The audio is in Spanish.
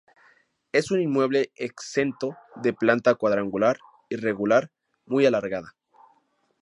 Es un inmueble exento de planta cuadrangular irregular muy alargada.